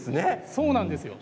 そうなんです。